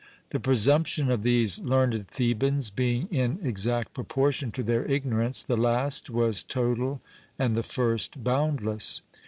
The presumption of these learned Thebans being in exact proportion to their ignorance, the last was total and the first boundless.